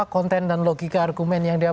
konten dan logika argumen yang dia